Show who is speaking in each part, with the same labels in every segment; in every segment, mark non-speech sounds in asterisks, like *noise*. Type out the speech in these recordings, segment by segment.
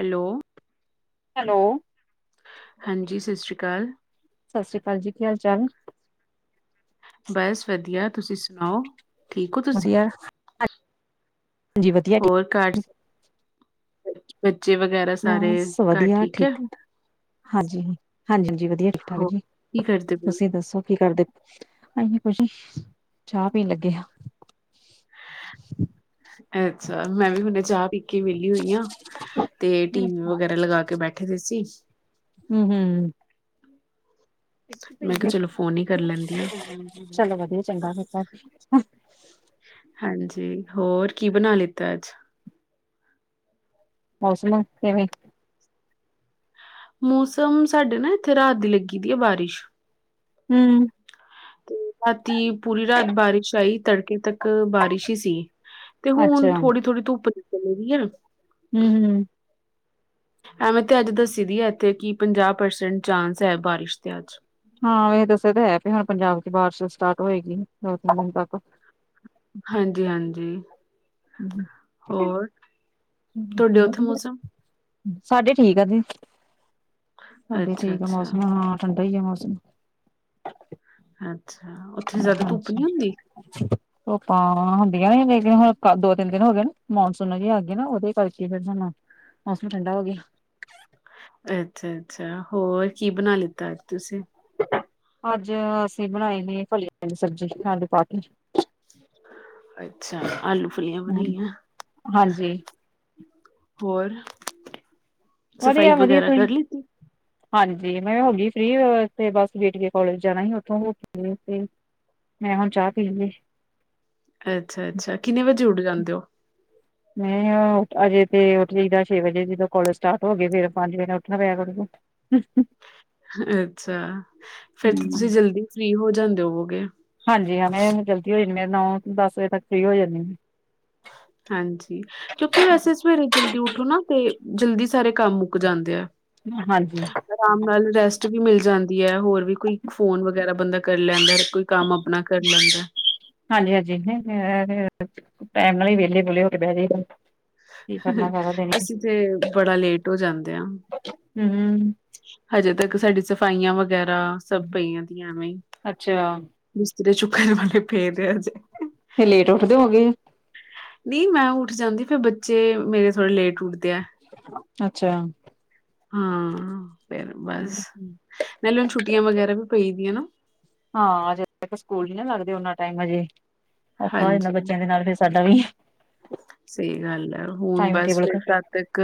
Speaker 1: Hello?
Speaker 2: Hello.
Speaker 1: ਹਾਂਜੀ, ਸਤਿ ਸ਼੍ਰੀ ਅਕਾਲ।
Speaker 2: ਸਤਿ ਸ਼੍ਰੀ ਅਕਾਲ ਜੀ, ਕੀ ਹਾਲ ਚਾਲ।
Speaker 1: ਬਸ ਵਧੀਆ, ਤੁਸੀਂ ਸੁਣਾਓ ਠੀਕ ਹੋ ਤੁਸੀਂ?
Speaker 2: ਵਧੀਆ। ਹਾਂਜੀ ਵਧੀਆ ਜੀ।
Speaker 1: ਹੋਰ ਘਰ, ਬੱਚੇ ਵਗੈਰਾ, ਸਾਰੇ
Speaker 2: ਬਸ
Speaker 1: ਘਰ
Speaker 2: ਵਧੀਆ
Speaker 1: ਠੀਕ ਹੈ।
Speaker 2: ਹਾਂਜੀ, ਹ ਹਾਂਜੀ- ਹਾਂਜੀ ਵਧੀਆ, ਠੀਕ- ਠਾਕ
Speaker 1: ਹੋਰ
Speaker 2: ਜੀ,
Speaker 1: ਕੀ ਕਰਦੇ ਪਏ ਹੋ?
Speaker 2: ਤੁਸੀਂ ਦੱਸੋ ਕੀ ਕਰਦੇ। ਹਾਂਜੀ ਕੁਛ ਨਹੀਂ, ਚਾਹ ਪੀਣ ਲੱਗੇ ਆ।
Speaker 1: ਅੱਛਾ! ਮੈਂ ਵੀ ਹੁਣੇ, ਚਾਹ ਪੀ ਕੇ, ਵੇਲੀ ਹੋਈ ਹਾਂ। ਤੇ ਟੀ-ਵੀ
Speaker 2: ਹੂੰ
Speaker 1: ਵਗੈਰਾ ਲਗਾ ਕੇ ਬੈਠੇ। ਬੈਠਦੇ ਸੀ *inaudible*
Speaker 2: ਹੂੰ ਹੂੰ।
Speaker 1: ਮੈਂ ਕਿਹਾ ਚਲੋ ਫੋਨ ਹੀ ਕਰ ਲੈਂਦੀ ਹਾਂ।
Speaker 2: ਚਲੋ ਵਧੀਆ ਚੰਗਾ ਕਿਤਾ।
Speaker 1: ਹਾਂਜੀ, ਹੋਰ, ਕੀ ਬਣਾ ਲਿੱਤਾ ਅੱਜ।
Speaker 2: ਮੌਸਮ ਕਿਵੇਂ?
Speaker 1: ਮੌਸਮ, ਸਾਡੇ ਨਾ ਇੱਥੇ, ਰਾਤ ਦੀ ਲੱਗੀ ਪਈ ਹੈ, ਬਾਰਿਸ਼।
Speaker 2: ਹੂੰ।
Speaker 1: ਰਾਤੀ, ਪੂਰੀ ਰਾਤ ਬਾਰਿਸ਼ ਆਈ ਤੜਕੇ ਤੱਕ। ਇੱਕ ਬਾਰਿਸ਼ ਹੀ ਸੀ, ਤੇ ਹੁਣ
Speaker 2: ਅੱਛਾ।
Speaker 1: ਥੋੜ੍ਹੀ- ਥੋੜ੍ਹੀ ਧੁੱਪ ਨਿਕਲਦੀ ਪਈ ਹੈ।
Speaker 2: ਹੂ ਹੂ।
Speaker 1: ਐਵੇਂ ਤੇ, ਅੱਜ ਦੱਸੀ ਦੀ ਹੈ। ਇੱਥੇ ਕਿ, ਪੰਜਾਹ ਪਰਸੈਂਟ ਚਾਂਸ ਹੈ, ਬਾਰਿਸ਼ ਦੇ ਅੱਜ।
Speaker 2: ਹਾਂ, ਇਹ ਦੱਸਿਆ ਤਾਂ ਹੈ। ਕਿ ਹਾਂ ਪੰਜਾਬ ਚ ਬਾਰਿਸ਼ ਸਟਾਰਟ ਹੋਏਗੀ, ਦੋ- ਤਿੰਨ ਦਿਨ ਤੱਕ?
Speaker 1: ਹਾਂਜੀ-ਹਾਂਜੀ ਹੋਰ! ਤੁਹਾਡੇ ਉੱਥੇ
Speaker 2: ਵਧੀਆ,
Speaker 1: ਮੌਸਮ?
Speaker 2: ਸਾਡੇ ਠੀਕ ਆ ਜੀ। ਸਾਡੇ
Speaker 1: ਅੱਛਾ
Speaker 2: ਠੀਕ ਆ,
Speaker 1: ਅੱਛਾ
Speaker 2: ਮੌਸਮ ਹਾਂ ਠੰਡਾ ਹੀ ਹੈ ਮੌਸਮ।
Speaker 1: ਅੱਛਾ! ਉੱਥੇ ਜਿਆਦਾ ਧੁੱਪ ਨਹੀਂ ਹੁੰਦੀ।
Speaker 2: ੱ *unintelligible* ਰਾਂ ਹੁੰਦੀਆਂ ਨੇ ਲੇਕਿਨ ਹੁਣ ਦੋ ਤਿੰਨ ਦਿਨ ਹੋ ਗਏ ਨੇ ਮੌਨਸੂਨ ਜਿ ਆ ਗਈ ਨਾ ਉਹਦੇ ਕਰਚ ਫਿਰ ਸਾਨੂੰ *inaudible* ਮੌਸਮ ਠੰਡਾ ਹੋ ਗਿਆ।
Speaker 1: ਅੱਛਾ- ਅੱਛਾ ਹੋਰ ਕੀ ਬਣਾ ਲਿੱਤਾ ਅਜ ਤੁਸੀਂ?
Speaker 2: ਅੱਜ ਅਸੀਂ ਬਣਾਏ ਨੇ ਫਲਿਆਂ ਦੀ ਸਬਜ਼ੀ, ਆਲੂ ਪਾ ਕੇ।
Speaker 1: ਅੱਛਾ, ਆਲੂ, ਫੁੱਲੀਆਂ ਬਣਾਈਆਂ।
Speaker 2: ਹਾਂਜੀ
Speaker 1: ਹੋਰ? ਸਫਾਈ
Speaker 2: ਵਧੀਆ- ਵਧੀਆ
Speaker 1: ਵਗੈਰਾ
Speaker 2: ਤੁਸੀਂ?
Speaker 1: ਕਰ ਲਿੱਤੀ।
Speaker 2: ਹਾਂਜੀ ਮੈਂ ਹੋ ਗਈ ਫ੍ਰਰੀ, ਤੇ ਬਸ ਬੇਟੀ ਦੇ ਕੋਲੇਜ਼ ਜਾਣਾ ਹੈ। ਉਥੋਂ ਹੋ ਕੇ? ਮੈਂ ਹੁਣ ਚਾਹ ਪੀਣ ਦੀ?
Speaker 1: ਅੱਛਾ- ਅੱਛਾ ਕਿੰਨੇ ਵਜੇ ਉੱਠ ਜਾਂਦੇ ਹੋ?
Speaker 2: ਮੈ ਅਜੇ ਤੇ ਉਠੀ ਦਾ ਛੇ ਵਜੇ, ਜਦੋਂ ਕੋਲੇਜ ਸਟਾਰਟ ਹੋ ਗਏ, ਫੇਰ ਪੰਜ ਵਜੇ ਨਾਲ ਉੱਠਣਾ ਪਿਆ ਕਰੁਗਾ। ਹੂ, ਹੂ
Speaker 1: ਅੱਛਾ, ਫਿਰ ਤੇ
Speaker 2: ਹੂੰ
Speaker 1: ਤੁਸੀਂ ਜਲਦੀ ਫ੍ਰਰੀ ਹੋ ਜਾਂਦੇ ਹੋਵੋਗੇ।
Speaker 2: ਹਂਜੀ ਹਾਂ, ਮੈ ਜਲਦੀ ਹੋ ਜਾਂਣੀਦੀ, ਮੈਂ ਨੌ- ਦਸ ਵਜੇ ਤੱਕ ਫ੍ਰਰੀ ਹੋ ਜਾਂਦੀ।
Speaker 1: ਹਂਜੀ। ਕਿਉਂਕਿ ਵੈਸੇ- ਸਵੇਰੇ ਜਲਦੀ ਉਠੋ, ਨਾ ਤੇ ਜਲਦੀ ਸਾਰੇ ਕੰਮ ਮੁੱਕ ਜਾਂਦੇ ਆ।
Speaker 2: ਹਂਜੀ।
Speaker 1: ਅਰਾਮ ਨਾਲ ਰੈਸਟ ਵੀ ਮਿਲ ਜਾਂਦੀ ਹੈ, ਹੋਰ ਵੀ ਕੋਈ ਫੋਨ ਵਗ਼ੈਰਾ, ਬੰਦਾ ਕਰ ਲੈਂਦਾ ਹੈ‌। ਕੋਈ। ਕੰਮ ਆਪਣਾ ਕਰ ਲੈਂਦਾ।
Speaker 2: ਹਾਂਜੀ -ਹਾਂਜੀ ਟੈਮ ਨਾਲ ਹੀ ਵੇਲੇ-ਵੂਲੇ ਹੋ ਕੇ ਬਹਿ ਜਾਇਦਾ ਹੈ।
Speaker 1: ਹੁ ਅਸੀਂ ਤੇ ਬੜਾ ਲੇਟ ਹੋ ਜਾਂਦੇ ਹਾਂ।
Speaker 2: ਹੁੰ-ਹੁੰ।
Speaker 1: ਹਜੇ ਤੱਕ ਸਾਡੀ ਸਫ਼ਾਈਆਂ ਵਗੈਰਾ ਸਬ ਪਈਆਂ ਦੀਆਂ ਐਵੇ।
Speaker 2: ਅੱਛਾ
Speaker 1: ਬਿਸਤਰੇ ਚੂਕਨ ਵਾਲੇ ਪਏ ਦੈ ਐ ਅੱਜੇ।
Speaker 2: ਫੇਰ ਲੇਟ ਉੱਠਦੇ ਹੋ ਗੇ?
Speaker 1: ਨੀ ਮੈਂ ਉੱਠ ਜਾਂਦੀ ਫੇਰ ਬੱਚੇ ਮੇਰੇ ਥੋੜਾ ਲੇਟ ਉੱਠਦੇ ਐ।
Speaker 2: ਅੱਛਾ?
Speaker 1: ਹਾਂ ਫਿਰ ਬਸ! ਨਾਲੇ ਛੁੱਟੀਆਂ ਵਗੈਰਾ ਵੀ ਪਈ ਦੀਆਂ ਨਾ।
Speaker 2: ਹਾਂ, ਜਦੋ ਤੱਕ ਸਕੂਲ ਨਹੀ ਨਾ ਲੱਗਦੇ ੳਨਾ ਟਾਈਮ ਹਜੇ, ਔਖਾ ਹੋ ਜਾਂਦਾ
Speaker 1: ਹਾਂਜੀ
Speaker 2: ਬੱਚਿਆਂ ਦੇ ਨਾਲ। ਸਾਡਾ ਵੀ।
Speaker 1: ਸਹੀ ਗੱਲ ਐ, ਹੁਣ
Speaker 2: ਟਾਈਮ
Speaker 1: ਬਸ
Speaker 2: ਟੇਬਲ
Speaker 1: ਫੇਰ ਤਦ ਤਕ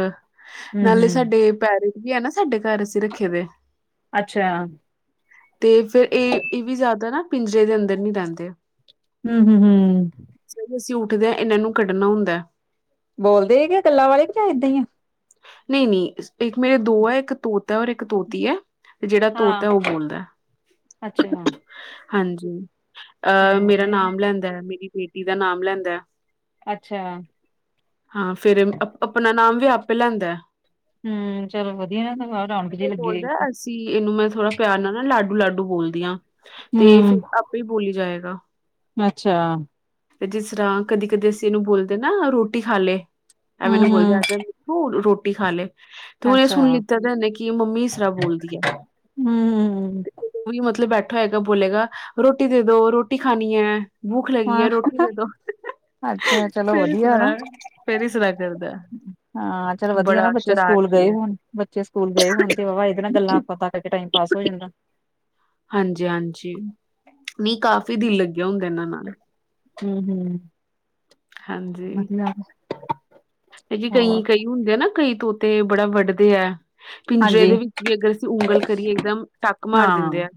Speaker 2: ਹੂੰ
Speaker 1: ਨਾਲੇ
Speaker 2: ਹੂੰ
Speaker 1: ਸਾਡੇ ਪੈਰ ਵੀ ਏ ਨਾ ਸਾਡੇ ਕਾਰ ਅਸੀਂ ਰਖੇ ਵੇ
Speaker 2: ਅੱਛਾ।
Speaker 1: ਤੇ ਫੇਰ ਏ ਏ ਵੀ ਜਾਦਾ ਨਾ ਪਿੰਜਰੇ ਦੇ ਅੰਦਰ ਨੀ ਰਹਿੰਦੇ।
Speaker 2: ਹੁੰ, ਹੁੰ, ਹੁੰ।
Speaker 1: ਜਦੋ ਅਸੀਂ ਉੱਠਦੇ ਇਹਨਾਂ ਨੂੰ ਕਡਣਾ ਹੁੰਦੈ।
Speaker 2: ਬੋਲਦੇ ਹੀ ਗੇ ਗੱਲਾਂ ਵਾਲੇ ਕੀ ਜਾਂ ਇਹਂਦਾ ਹੀ ਐ।
Speaker 1: ਨਹੀਂ-ਨਹੀਂ, ਇਕ ਮੇਰੇ ਦੋ ਐ ਇੱਕ ਤੋਤਾ ਹੈ ਔਰ ਇਕ ਇੱਕ ਤੋਤੀ ਐ ਤੇ ਜਿਹੜਾ ਤੋਤਾ ਐ
Speaker 2: ਹਾਂ
Speaker 1: ਉਹ ਬੋਲਦਾ ਐ।
Speaker 2: ਅੱਛਾ
Speaker 1: ਹਾਂਜੀ, ਅਹ
Speaker 2: ਚਲੋ
Speaker 1: ਮੇਰਾ
Speaker 2: ਵਧੀਆ ਨਾ
Speaker 1: ਨਾਮ ਲੈਂਦਾ ਐ, ਮੇਰੀ ਬੇਟੀ ਦਾ ਨਾਮ ਲੈਂਦਾ ਐ।
Speaker 2: ਅੱਛਾ।
Speaker 1: ਹਾਂ ਫੇਰ ਅਪ-ਆਪਣਾ ਨਾਮ ਵੀ ਆਪੇ ਲੈਂਦਾ ਐ।
Speaker 2: ਹੁੰ, ਚਲੋ ਵਦੀਆ ਨਾ ਫੇਰ ਰੋਣਕ ਜਿਹੀ ਲਗੀ ਰਹੇ ਗੀ।
Speaker 1: ਸੀ ਇਹਨੂੰ ਮੈਂ ਥੋੜਾ ਪਿਆਰ ਨਾਲ ਨਾ ਲਾਡੂ-ਲਾਡੂ ਬੋਲਦੀ ਆ, ਤੇ ਫੇਰ
Speaker 2: ਹੂੰ
Speaker 1: ਆਪੇ ਹੀ ਬੋਲੀ ਜਾਏਗਾ।
Speaker 2: ਅੱਛਾ।
Speaker 1: ਤੇ ਜਿਸ ਤਰ੍ਹਾਂ ਕਦੇ ਕਦੇ ਅਸੀਂ ਇਹਨੂੰ ਬੋਲਦੇ ਨਾ ਰੋਟੀ ਖਾ ਲੇ, ਐ
Speaker 2: ਹੂੰ
Speaker 1: ਮੈਨੂੰ ਬੋਲਦੈ
Speaker 2: ਹੂੰ
Speaker 1: ਅਜ ਰੋਟੀ ਖਾ ਲੇ, ਤੇ ਹੁਣ ਉਂਹਨੇ
Speaker 2: ਅੱਛਾ
Speaker 1: ਸੁਣ ਲਿੱਤਾ ਤੇ ੳਨੇ ਕਿ ਮੰਮੀ ਇਸ ਤਰਾ ਬੋਲਦੀ ਐ।
Speaker 2: ਹੁੰ।
Speaker 1: ੳਹੀ ਮਤਲਬ ਬੈਠਾ ਹੋਏਗਾ ਬੋਲੇਗਾ, ਰੋਟੀ ਦੇ ਦੋ ਰੋਟੀ ਖਾਣੀ ਐ। ਭੁੱਖ ਲਗੀ
Speaker 2: ਹਾਂ
Speaker 1: ਐ, ਰੋਟੀ ਦੇ ਦੋ
Speaker 2: ਅੱਛਾ ਚਲੋ
Speaker 1: ਫੇਰ
Speaker 2: ਵਧੀਆ ਨਾ
Speaker 1: ਇਸਤਰਾ ਫੇਰ ਇਸਤਰਾ ਕਰਦੈ।
Speaker 2: ਹਾਂ, ਚਲੋ ਵਦੀਆ ਐ ਨਾ ਬੱਚੇ ਸਕੂਲ ਗਏ
Speaker 1: ਹੈ
Speaker 2: ਹੋਣ, ਬੱਚੇ ਸਕੂਲ ਗਏ ਹੋਣ ਤੇ ਵਾਵਾ ਏਹਦੇ ਨਾਲ ਗਲਾ ਬਾਤਾ ਇਕ ਤੇ ਟਾਈਮ ਪਾਸ ਹੋ ਜਾਂਦਾ।
Speaker 1: ਹਾਂਜੀ-ਹਾਂਜੀ, ਨੀ ਕਾਫ ਦਿਲ ਲਗਿਆ ਹੁੰਦਾ ਇਹਨਾਂ ਨਾਲ।
Speaker 2: ਹੁੰ, ਹੁੰ, ਵਦੀਆ।
Speaker 1: ਇਹ ਜੇ ਕਈ ਕਈ ਹੁੰਦੇ ਆ ਨਾ ਕਈ ਤੋਤੇ ਬੜਾ ਵਢਦੇ ਐ। ਪਿੰਜਰੇ
Speaker 2: ਹਾਂਜੀ
Speaker 1: ਦੇ ਵਿੱਚ ਵੀ ਅਗਰ ਅਸੀਂ ਉਂਗਲ ਕਰੀਏ ਇੱਕਦਮ ਟੱਕ ਮਾਰ
Speaker 2: ਹਾਂ
Speaker 1: ਦਿੰਦੇ ਐ।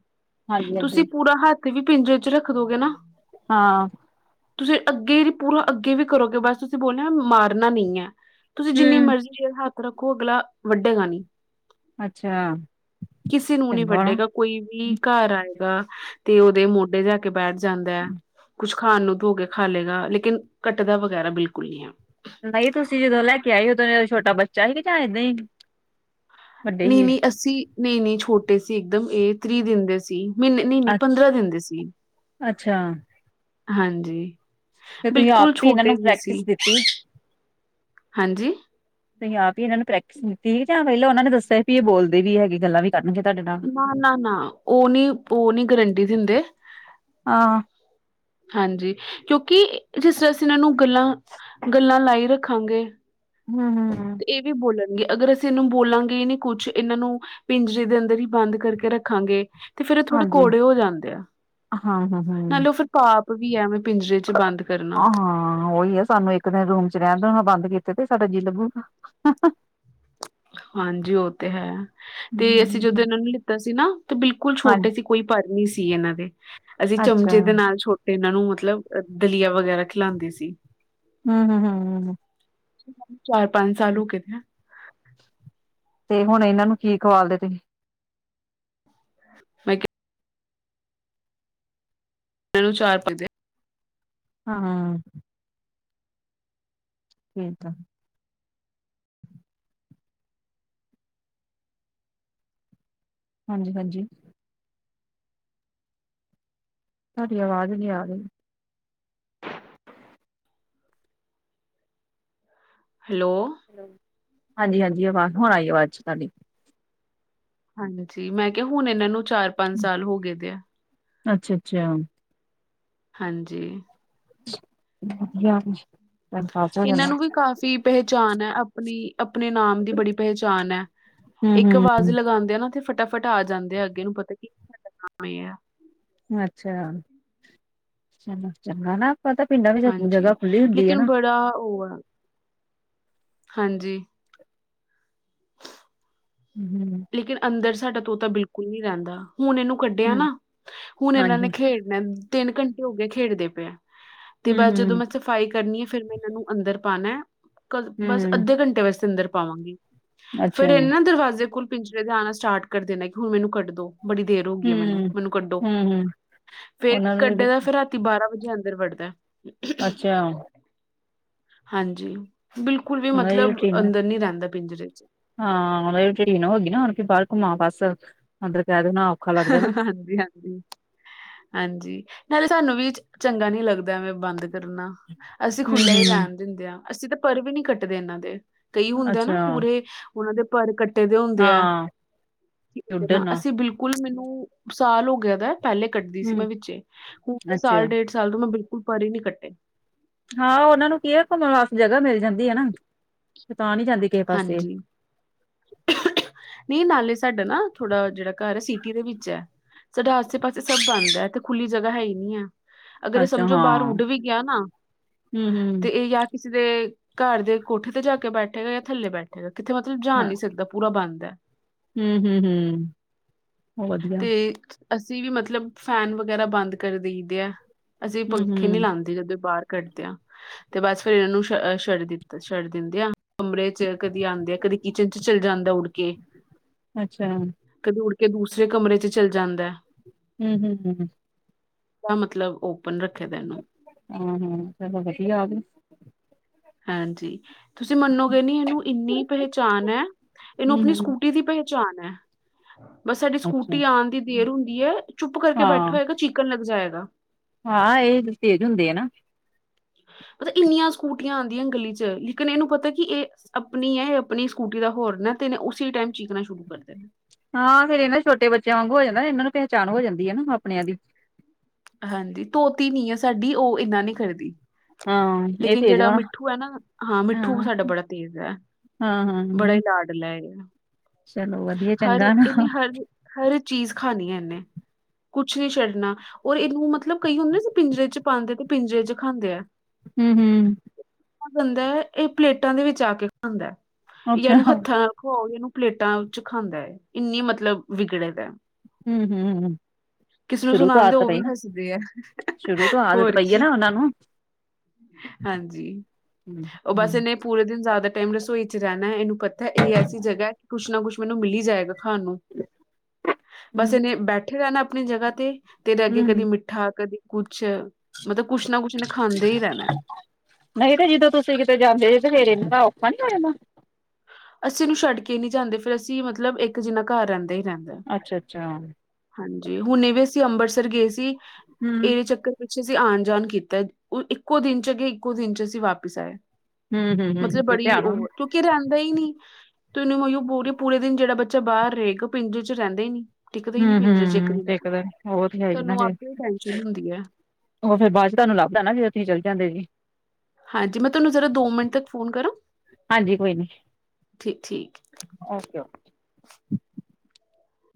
Speaker 2: ਹਾਂਜੀ
Speaker 1: ਤੁਸੀ
Speaker 2: ਹਾਂਜੀ
Speaker 1: ਪੂਰਾ ਹੱਥ ਵੀ ਪਿੰਜਰੇ ਚ ਰੱਖ ਦੋਗੇ ਨਾ।
Speaker 2: ਹਾਂ।
Speaker 1: ਤੁਸੀ ਅੱਗੇ ਵੀ ਪੂਰਾ ਅੱਗੇ ਵੀ ਕਰੋਗੇ ਬਸ ਤੁਸੀ ਬੋਲਿਆ ਨਾ ਮਾਰਨਾ ਨਹੀਂ ਐ। ਤੁਸੀਂ ਜਿੰਨੀ
Speaker 2: ਹੂੰ
Speaker 1: ਮਰਜ਼ੀ ਦੇਰ ਹੱਥ ਰੱਖੋ ਅਗਲਾ ਵੱਡੇਗਾ ਨਹੀਂ।
Speaker 2: ਅੱਛਾ
Speaker 1: ਕਿਸੇ ਨੂੰ ਨਹੀਂ
Speaker 2: ਚੰਗਾ ਨਾ
Speaker 1: ਵੱਡੇਗਾ। ਕੋਈ ਵੀ ਕਾਰ ਆਏਗਾ ਤੇ ਉਹਦੇ ਮੋਢੇ ਜਾ ਕੇ ਬੈਠ ਜਾਂਦਾ ਐ ਕੁੱਛ ਖਾਣ ਨੂੰ ਦੋਗੇ ਖਾ ਲਏਗਾ, ਲੇਕਿਨ ਕੱਟਦਾ ਵਗੈਰਾ ਬਿਲਕੁੱਲ ਨਹੀਂ ਐ।
Speaker 2: ਨਹੀਂ, ਤੁਸੀਂ ਜਦੋਂ ਲੈ ਕੇ ਆਏ ਉਦੋਂ ਛੋਟਾ ਬੱਚਾ ਹੀ ਗਾ ਜਾਂ ਇਦਾਂ ਹੀ? ਵੱਡੇ ਸੀ।
Speaker 1: ਨਹੀਂ-ਨਹੀਂ ਅੱਸੀ ਨਹੀਂ-ਨਹੀਂ ਛੋਟੇ ਸੀ ਇੱਕਦ, ਇਹ ਤ੍ਰੀਹ ਦਿਨ ਦੇ ਸੀ। ਮਹੀਨੇ ਨਹੀਂ ਨਹੀਂ
Speaker 2: ਅੱ
Speaker 1: ਪੰਦਰਾਂ ਦਿਨ ਦੇ ਸੀ।
Speaker 2: ਅੱਛਾ।
Speaker 1: ਹਾਂਜੀ।
Speaker 2: ਫੇਰ ਤੁਸੀਂ
Speaker 1: ਬਿਲਕੁਲ
Speaker 2: ਆਪੇ ਈ ਇਹਨਾਂ ਨੂੰ
Speaker 1: ਛੋਟੇ ਜਿਹੇ ਸੀ
Speaker 2: ਪ੍ਰੈਕਟਿਸ ਦਿੱਤੀ।
Speaker 1: ਹਾਂਜੀ
Speaker 2: ਤੁਹੁ ਆਪ ਈ ਇਹਨਾਂ ਨੇ ਪ੍ਰੈਕਟਿਸ ਦਿੱਤੀ ਸੀ ਜਾਂ ਪਹਿਲਾਂ ਉਹਨਾਂ ਨੇ ਦੱਸਿਆ ਵੀ ਇਹ ਬੋਲਦੇ ਵੀ ਹੈਗੇ ਗੱਲਾਂ ਵੀ ਕਰਨ ਗੇ ਤੁਹਾਡੇ ਨਾਲ।
Speaker 1: ਨਾ ਨਾ ਨਾ ਉਹ ਨਹੀਂ ਉਹ ਨਹੀਂ ਗਰੰਟੀ ਦਿੰਦੇ।
Speaker 2: ਹਾਂ
Speaker 1: ਹਾਂਜੀ ਕਿਉਂਕਿ ਜਿਸ ਤਰ੍ਹਾਂ ਅਸੀਂ ਇਹਨਾਂ ਨੂੰ ਗੱਲਾਂ ਗੱਲਾਂ ਲਾਈ ਰੱਖਾਂਗੇ।
Speaker 2: ਹਮ ਹਮ
Speaker 1: ਇਹ ਵੀ ਬੋਲਣਗੇ ਅਗਰ ਅਸੀਂ ਇਹਨੂੰ ਬੋਲਾਂਗੇ ਨਹੀਂ ਕੁੱਝ ਇਹਨਾਂ ਨੂੰ ਪਿੰਜਰੇ ਦੇ ਅੰਦਰ ਹੀ ਬੰਦ ਕਰਕੇ ਰੱਖਾਂਗੇ। ਤੇ ਫਿਰ ਉਹ ਥੋੜੇ
Speaker 2: ਹਾਂਜੀ
Speaker 1: ਕੌੜੇ ਹੋ ਜਾਂਦੇ ਆ
Speaker 2: ਹਾਂ ਹਾਂ ਹਾਂ
Speaker 1: ਨਾਲੇ ਉਹ ਫਿਰ ਪਾਪ ਵੀ ਐਵੇ ਪਿੰਜਰੇ ਚ ਬੰਦ ਕਰਨਾ।
Speaker 2: ਹਾਂ ਉਹੀ ਆ ਸਾਨੂੰ ਇੱਕ। ਰੂਮ ਚ ਰਹਿਣ ਦੇਣਾ ਬੰਦ ਕੀਤੇ ਤੇ ਸਾਡਾ ਜੀਅ ਲੱਗੂਗਾ।
Speaker 1: ਹਾਂਜੀ, ਉਹ ਤੇ ਹੈ ਤੇ ਅਸੀਂ ਜਦੋਂ ਇਹਨਾਂ ਨੂੰ ਲਿੱਤਾ ਸੀ ਨਾ ਤੇ ਬਿਲਕੁੱਲ
Speaker 2: ਹਾਂਜੀ
Speaker 1: ਛੋਟੇ ਸੀ। ਕੋਈ ਪਰ ਨੀ ਸੀ ਇਹਨਾਂ ਦੇ ਅਸੀਂ
Speaker 2: ਅੱਛਾ
Speaker 1: ਚਮੱਚੇ ਦੇ ਨਾਲ ਛੋਟੇ ਤੇ ਇਹਨਾਂ ਨੂੰ ਮੱਤਲਬ ਦਲੀਆ ਵਗੈਰਾ ਖਿਲਾਉਂਦੀ ਸੀ।
Speaker 2: ਹਮ ਹਮ ਹਮ ਹਮ।
Speaker 1: ਚਾਰ ਪੰਜ ਸਾਲ ਹੋ ਗਏ ਤੇ।
Speaker 2: ਤੇ ਹੁਣ ਇਹਨਾਂ ਨੂੰ ਕੀ ਖਵਾਂਦੇ ਨੇ?
Speaker 1: ਮੈਂ ਕਿਹਾ। ਮੈਨੂੰ ਚਾਰ ਪਂਜੇ
Speaker 2: ਹਾਂ। ਫਿਰ ਤਾਂ। ਹਾਂਜੀ ਹਾਂਜੀ। ਤੁਹਾਡੀ ਆਵਾਜ਼ ਨੀ ਆ ਰਹੀ।
Speaker 1: ਹੈਲੋ।
Speaker 2: ਹਾਂਜੀ, ਹਾਂਜੀ ਆਵਾਜ਼ ਹੁਣ ਆਈ ਆਵਾਜ਼ ਤੁਹਾਡੀ।
Speaker 1: ਹਾਂਜੀ, ਮੈਂ ਕਿਹਾ ਹੁਣ ਇਹਨਾਂ ਨੂੰ ਚਾਰ ਪੰਜ ਸਾਲ ਹੋ ਗਏ ਦੇ ਆ।
Speaker 2: ਅੱਛਾ ਅੱਛਾ।
Speaker 1: ਹਾਂਜੀ
Speaker 2: ਗਿਆ ਕੁਛ।
Speaker 1: ਇਹਨਾਂ ਨੂੰ ਵੀ ਕਾਫ਼ੀ। ਪਹਿਚਾਣ ਹੈ ਆਪਣੀ ਆਪਣੇ ਨਾਮ ਦੀ ਬੜੀ ਪਹਿਚਾਣ ਹੈ।
Speaker 2: ਹੂੰ
Speaker 1: ਇੱਕ
Speaker 2: ਹੂੰ
Speaker 1: ਆਵਾਜ਼ ਅਵਾਜ਼ ਲਗਾਉਂਦੇ ਆ ਨਾ ਤੇ ਫਟਾਫੱਟ ਆ ਜਾਂਦੇ ਆ। ਅੱਗੇ ਨੂੰ ਪਤਾ ਕੀ ਸਾਡਾ ਇਹ ਆ।
Speaker 2: ਅੱਛਾ ਚਲੋ ਚੰਗਾ ਨਾ। ਆਪਾਂ ਤਾਂ ਪਿੰਡਾਂ ਵਿੱਚ ਜਗ੍ਹਾ
Speaker 1: ਹਾਂਜੀ,
Speaker 2: ਖੁੱਲੀ ਹੁੰਦੀ ਹੈ
Speaker 1: ਲੇਕਿਨ
Speaker 2: ਨਾ
Speaker 1: ਬੜਾ ਉਹ ਆ ਹਾਂਜੀ
Speaker 2: ਹਮ ਹਮ
Speaker 1: ਲੇਕਿਨ ਅੰਦਰ ਸਾਡਾ ਤੋਤਾ ਬਿਲਕੁੱਲ ਨਹੀਂ ਰਹਿੰਦਾ। ਹੁਣ ਇਹਨੂੰ ਕੱਢਿਆ
Speaker 2: ਹੂੰ
Speaker 1: ਨਾ ਹੁਣ ਇਹਨਾਂ
Speaker 2: ਹਾਂਜੀ
Speaker 1: ਨੇ ਖੇਡਣਾ ਤਿੰਨ ਘੰਟੇ ਹੋਗੇ ਖੇਡਦੇ ਪਏ। ਤੇ
Speaker 2: ਹੂੰ
Speaker 1: ਬੱਸ ਜਦੋਂ
Speaker 2: ਹੂੰ
Speaker 1: ਮੈਂ ਸਫ਼ਾਈ ਕਰਨੀ ਹੈ ਫਿਰ ਮੈਂ ਇਹਨਾਂ ਨੂੰ ਅੰਦਰ ਪਾਉਣਾ। ਬੱਸ
Speaker 2: ਹੂੰ
Speaker 1: ਅੱਧੇ ਘੰਟੇ ਵਾਸਤੇ ਅੰਦਰ ਪਾਵਾਂਗੀ।
Speaker 2: ਅੱਛਾ
Speaker 1: ਫੇਰ
Speaker 2: ਹੂੰ
Speaker 1: ਇਹਨਾਂ ਦਰਵਾਜ਼ੇ ਕੋਲ ਪਿੰਜਰੇ ਦੇ ਆਉਣਾ ਸਟਾਰਟ ਕਰਦੇ ਨੇ ਕਿ ਹੁਣ ਮੈਨੂੰ ਕੱਢ ਦਿਓ। ਬੜੀ ਦੇਰ ਹੋ ਗਈ ਆ ਮੈਨੂੰ
Speaker 2: ਹੂੰ
Speaker 1: ਮੈਨੂੰ ਕੱਢੋ
Speaker 2: ਹੂੰ
Speaker 1: ਫੇਰ
Speaker 2: ਉਹਨਾਂ
Speaker 1: ਕੱਢੇ
Speaker 2: ਨੂੰ
Speaker 1: ਦਾ ਫਿਰ ਰਾਤੀ ਬਾਰਾਂ ਵਜੇ ਅੰਦਰ ਵੜਦਾ।
Speaker 2: ਅੱਛਾ
Speaker 1: ਹਾਂਜੀ ਬਿਲਕੁਲ ਵੀ
Speaker 2: ਉਹਨਾਂ ਦੀ
Speaker 1: ਮਤਲਬ
Speaker 2: ਰੂਟੀਨ
Speaker 1: ਅੰਦਰ ਨੀ ਰਹਿੰਦਾ ਪਿੰਜਰੇ ਚ।
Speaker 2: ਹਾਂ ਨੋ ਨ ਨਾ ਬਾਹਰ ਘੁਮਾਓ ਬਸ ਅਦਰ ਵੜ ਨਾਂ।
Speaker 1: ਹਾਂਜੀ ਹਾਂਜੀ ਹਾਂਜੀ ਨਾਲੇ ਸਾਨੂੰ ਵੀ ਚੰਗਾ ਨੀ ਲੱਗਦਾ ਐਵੇਂ। ਬੰਦ ਕਰਨਾ ਅਸੀਂ
Speaker 2: ਹੂੰ
Speaker 1: ਖੁੱਲ੍ਹਾ ਹੀ
Speaker 2: ਹੂੰ
Speaker 1: ਰਹਿਣ ਦਿੰਦੇ ਹਾਂ ਅਸੀਂ ਤਾਂ ਪਰ ਵੀ ਨੀ ਕੱਟਦੇ ਇਹਨਾਂ ਦੇ। ਕਈ ਹੁੰਦੇ ਆ ਨਾ
Speaker 2: ਅੱਛਾ
Speaker 1: ਪੂਰੇ। ਉਹਨਾਂ ਦੇ ਪਰ ਕੱਟੇ ਦੇ ਹੁੰਦੇ ਆ
Speaker 2: ਹਾਂ ਉੱਡਣ ਨਾ
Speaker 1: ਅਸੀਂ ਬਿਲਕੁਲ। ਬਿਲਕੁਲ ਮੈਨੂੰ ਸਾਲ ਹੋ ਗਿਆ ਦਾ ਪਹਿਲੇ ਕੱਟਦੀ ਸੀ
Speaker 2: ਹੂੰ
Speaker 1: ਮੈਂ ਵਿੱਚੇ ਹੁਣ ਸਾਲ
Speaker 2: ਅੱਛਾ
Speaker 1: ਡੇਢ ਸਾਲ ਤੋਂ ਮੈਂ ਬਿਲਕੁਲ ਪਰ ਹੀ ਨੀ ਕੱਟੇ।
Speaker 2: ਹਾਂ ਉਹਨਾਂ ਨੂੰ ਕੀ ਹੈ ਘੁੰਮਣ ਵਾਸਤੇ ਜਗ੍ਹਾ ਮਿਲ ਜਾਂਦੀ ਹੈ ਨਾ ਤਾਂ ਨੀ ਜਾਂਦੀ ਕਿਸੇ ਪਾਸੇ।
Speaker 1: ਹਾਂਜੀ ਨਹੀਂ ਨਾਲੇ ਸਾਡਾ ਨਾ ਥੋੜਾ ਜਿਹੜਾ ਘਰ ਹੈ, ਸਿਟੀ ਦੇ ਵਿੱਚ ਹੈ। ਸਾਡਾ ਆਸੇ ਪਾਸੇ ਸਭ ਬੰਦ ਹੈ, ਤੇ ਖੁੱਲੀ ਜਗ੍ਹਾ ਹੈ ਹੀ ਨਹੀਂ ਹੈ। ਅਗਰ ਇਹ
Speaker 2: ਅੱਛਾ
Speaker 1: ਸਮਝੋ ਬਾਹਰ
Speaker 2: ਹਾਂ
Speaker 1: ਉੱਡ ਵੀ ਗਿਆ, ਨਾ
Speaker 2: ਹੂੰ
Speaker 1: ਤੇ
Speaker 2: ਹੂੰ
Speaker 1: ਇਹ ਆ ਕਿਸੇ ਦੇ ਘਰ ਦੇ ਕੋਠੇ ਤੇ ਜਾ ਕੇ ਬੈਠੇਗਾ, ਜਾਂ ਥੱਲੇ ਬੈਠੇਗਾ ਕਿੱਥੇ ਮਤਲਬ ਜਾ ਨੀ ਪੂਰਾ ਬੰਦਾ ਐ,
Speaker 2: ਹੂੰ-ਹੂੰ-ਹੂੰ,
Speaker 1: ਤੇ ਅਸੀਂ ਵੀ ਮਤਲਬ ਫੈਨ ਵਗੈਰਾ ਬੰਦ ਕਰ ਦੇਈਦੇ ਆ। ਅਸੀਂ
Speaker 2: ਹੂੰ
Speaker 1: ਪੰਖੇ ਨੀ
Speaker 2: ਹੂੰ
Speaker 1: ਲਾਦੇ ਜਦੋਂ ਬਾਹਰ ਕੱਢਦੇ ਹਾ, ਤੇ ਬਦ ਫੇਰ ਇਹਨਾਂ ਨੂੰ ਛੱਡ ਦਿੱਤਾ ਛੱਡ ਦਿੰਦੇ ਆ। ਕਮਰੇ ਚ ਕਦੇ ਆਦੇ ਆ ਕਦੇ ਕਿਚਨ ਚ ਚਲੇ ਜਾਂਦਾ, ਉੱਡ ਕੇ
Speaker 2: ਅੱਛਾ,
Speaker 1: ਕਦੇ ਉੱਡ ਕੇ ਦੂਸਰੇ ਕਮਰੇ ਚ ਚੱਲ ਜਾਂਦਾ।
Speaker 2: ਹੂੰ-ਹੂੰ-ਹੂੰ,
Speaker 1: ਮਤਲਬ, ਓਪਨ ਰੱਖੇ ਦਾ ਇਹਨੂੰ
Speaker 2: ਹੂੰ-ਹੂੰ, ਚਲੋ ਵਧੀਆ ਆ
Speaker 1: ਹਾਂਜੀ ਤੁਸੀਂ ਮੰਨੋਗੇ ਨੀ, ਇਹਨੂੰ ਇੰਨੀ ਪਹਿਚਾਣ ਹੈ, ਇਹਨੂੰ
Speaker 2: ਹੂੰ
Speaker 1: ਆਪਣੀ
Speaker 2: ਹੂੰ
Speaker 1: ਸਕੂਟੀ ਦੀ ਪਹਿ ਆ ਹੈ ਬਸ ਸਾਡੀ
Speaker 2: ਅੱਛਾ
Speaker 1: ਸਕੂਟੀ ਆਉਣ ਦੀ ਦੇਰ ਹੁੰਦੀ ਹੈ, ਚੁੱਪ ਕਰਕੇ
Speaker 2: ਹਾਂ
Speaker 1: ਬੈਠਾ ਹੋਏਗਾ, ਚੀ ਣ ਲੱਗ ਜਾਏਗਾ।
Speaker 2: ਹਾਂ ਇਹ ਤੇਜ਼ ਹੁੰਦੇ ਆ ਨਾ,
Speaker 1: ਮਤਲਬ ਇੰਨੀਆਂ ਸਕੂਟੀਆਂ ਆਉਂਦੀਆਂ ਗਲੀ ਚ ਲੇਕਿਨ ਇਹਨੂੰ ਪਤਾ ਕਿ ਇਹ ਆਪਣੀ ਹੈ, ਇਹ ਆਪਣੀ ਸਕੂਟੀ ਦਾ ਹੋਰ ਨਾ ਤੇਨ ਉਸੀ ਟਾਈਮ ਚੀਕਣਾ ਸ਼ੁਰੂ ਕਰ ਦੇ ਨੇ,
Speaker 2: ਹਾਂ ਫੇਿਰ ਇਹ ਛੋਟੇ ਬੱਚਿਆਂ ਵਾਂਗ ਹੋ ਜਾਂਦਾ, ਇਹਨਾਂ ਨੂੰ ਪਹਿਚਾਣ ਹੋ ਜਾਂਦੀ ਹੈ ਨਾ, ਆਪਣਿਆਂ ਦੀ
Speaker 1: ਹਾਂਜੀ ਧੋਤੀ ਨੀ ਹੈ, ਸਾਡੀ ਉਹ ਇਨਾ ਨੀ ਕਰਦੀ।
Speaker 2: ਹਾਂ ਇਹ
Speaker 1: ਲੇਕਿਨ
Speaker 2: ਤੇਜ
Speaker 1: ਜਿਹੜਾ
Speaker 2: ਵਾ।
Speaker 1: ਮਿੱਠੂ ਹੈ ਨਾ, ਹਾਂ ਮਿੱਠੂ ਸਾਡਾ ਬੜਾ ਤੇਜ਼ ਹੈ,
Speaker 2: ਹਾਂ ਹਾਂ
Speaker 1: ਬੜਾ ਇਲਾਜ
Speaker 2: ਚਲੋ ਵਧੀਆ
Speaker 1: ਹਰ
Speaker 2: ਚੰਗਾ ਨਾ।
Speaker 1: ਇਹਨੇ ਹਰ-ਹਰ ਚੀਜ਼ ਖਣੀ ਹੈ, ਇਹਨੇ ਕੁੱਛ ਨੀ ਛੱਡਣਾ ਔਰ ਇਹਨੂੰ ਮਤਲਬ, ਕਈ ਹੁੰਦੇ ਪਿੰਜਰੇ ਚ ਪਾਉਂਦੇ ਤੇ ਪਿੰਜਰੇ ਚ ਖਾਂਦੇ ਆ।
Speaker 2: ਹੂੰ-ਹੂੰ,
Speaker 1: ਜਾਂਦਾ ਇਹ ਪਲੇਟਾਂ ਦੇ ਵਿੱਚ ਆ ਕੇ ਖਾਂਦਾ, ਜਾਂ
Speaker 2: ਅੱਛਾ
Speaker 1: ਇਹਨੂੰ ਹੱਥਾਂ ਖੋ ਇਹਨੂੰ ਪਲੇਟਾਂ ਚ ਖਾਂਦਾ ਹੈ, ਇੰਨੀ ਮਤਲਬ ਵਿਗੜੇਦਾ
Speaker 2: ਹੂੰ-ਹੂੰ,
Speaker 1: ਨੂੰ
Speaker 2: ਸ਼ੁਰੂ ਤੋਂ
Speaker 1: ਸੁਣਾਉਂਦੇ
Speaker 2: ਆਦਤ
Speaker 1: ਉਹ
Speaker 2: ਪਈ
Speaker 1: ਵੀ
Speaker 2: ਨਾ
Speaker 1: ਹੱਸਦੇ ਆ
Speaker 2: ਸ਼ੁਰੂ ਤੋਂ ਆਦਤ
Speaker 1: ਹੋਰ
Speaker 2: ਪਈ ਹੈ,
Speaker 1: ਕੀ
Speaker 2: ਨਾ ਉਹਨਾਂ ਨੂੰ
Speaker 1: ਹਾਂਜੀ
Speaker 2: ਹੂੰ
Speaker 1: ਉਹ ਬਸ ਇਹਨੇ ਪੂਰੇ ਦਿਨ ਜ਼ਿਆਦਾ ਟਾਈਮ ਰਸੋਈ ਚ ਰਹਿਣਾ ਹੈ ਇਹਨੂੰ ਪਤਾ ਹੈ, ਇਹ ਐਸੀ ਜਗ੍ਹਾ ਹੈ ਕਿ ਕੁਛ ਨਾ ਕੁਛ ਮੈਨੂੰ ਮਿਲੀ ਜਾਏਗਾ, ਖਾਣ ਨੂੰ ਬਸ ਇਹਨੇ ਬੈਠੇ ਰਹਿ ਨਾ ਆਪਣੀ ਜਗ੍ਹਾ ਤੇ, ਤੇਰੇ ਅੱਗੇ ਕਦੀ
Speaker 2: ਹੂੰ
Speaker 1: ਮਿੱਠਾ ਕਦੇ ਕੁੱਛ ਮਤਲਬ ਕੁੱਛ ਨਾ ਕੁੱਛ ਇਹਨੇ ਖਾਂਦੇ ਹੀ ਰਹਿਣਾ
Speaker 2: ਨਹੀਂ ਤੇ ਜਦੋਂ ਤੁਸੀਂ ਕਿਤੇ ਜਾਂਦੇ ਸੀ, ਤੇ ਫੇਰ ਇਹਨੂੰ ਤਾਂ ਔਖਾ ਨੀ ਹੋ ਜਾਣਾ।
Speaker 1: ਅਸੀਂ ਨੂੰ ਛੱਡ ਕੇ ਨਹੀਂ ਜਾਂਦੇ ਫੇਰ ਅਸੀਂ ਮਤਲਬ ਇੱਕ ਜਿੰਨਾ ਘਰ ਰਹਿੰਦਾ ਹੀ ਰਹਿੰਦਾ।
Speaker 2: ਅੱਛਾ-ਅੱਛਾ,
Speaker 1: ਹਾਂਜੀ ਹੁਣੇ ਵੀ ਅਸੀਂ ਅੰਮ੍ਰਿਤਸਰ ਗਏ ਸੀ, ਇਹਦੇ
Speaker 2: ਹੂੰ
Speaker 1: ਚੱਕਰ ਪਿੱਛ ਅਸੀਂ ਆਉਣ ਜਾਣ ਕੀਤਾ, ਉਹ ਇੱਕੋ ਦਿਨ ਚਗੇ ਇੱਕੋ ਦਿਨ ਚ ਅਸੀਂ ਵਾਪਿਸ ਆਏ।
Speaker 2: ਹੂੰ ਹੂੰ
Speaker 1: ਮਤਲਬ
Speaker 2: ਤੇ
Speaker 1: ਬੜੀ
Speaker 2: ਧਿਆਨ ਹੋਣਾ।
Speaker 1: ਉਹ ਕਿਉਂਕਿ ਕੇ ਰਹਿੰਦਾ ਈ ਨੀ ਉਹਨੂੰ ਪੂਰੀ ਪੂਰੇ ਦਿਨ ਜਿਹੜਾ ਬੱਚਾ ਬਾਹਰ ਰਹੇਗਾ, ਪਿੰਡ ਚ ਰਹਿੰਦਾ ਹੀ ਨੀ।
Speaker 2: ਹੂੰ-ਹੂੰ, ਤੇ ਤਾਂ ਉਹ ਤੇ ਹੈਗੀ
Speaker 1: ਤੁਹਾਨੂੰ
Speaker 2: ਨਾ ਫੇਰ,
Speaker 1: ਆਪੇ ਟੈਨਸ਼ਨ ਹੁੰਦੀ ਹੈ
Speaker 2: ਉਹ ਫਿਰ ਬਾਅਦ ਚ ਤੁਹਾਨੂੰ ਲਬਦਾ ਨਾ ਵੀ ਜਦੋ ਅੱਸੀਂ ਚੱਲ ਜਾਂਦੇ ਜੀ।
Speaker 1: ਹਾਂਜੀ ਮੈਂ ਤੁਹਾਨੂੰ ਕਰਾ ਦੋ ਮਿੰਟ ਤੱਕ ਫ਼ੋਨ ਕਰਾਂ ਠੀ ਠੀਕ,
Speaker 2: ਓਕੇ-ਓਕੇ,